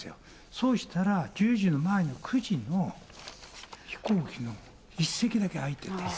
そうしたら、１０時の前の９時の飛行機が１席だけ空いてて。